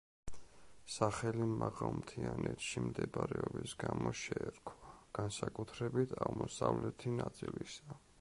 სახელი მაღალმთიანეთში მდებარეობის გამო შეერქვა, განსაკუთრებით აღმოსავლეთი ნაწილისა.